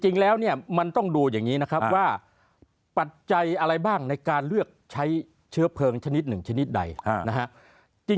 จริงแล้วเนี่ยมันต้องดูอย่างนี้นะครับว่าปัจจัยอะไรบ้างในการเลือกใช้เชื้อเพลิงชนิดหนึ่งชนิดใดนะฮะ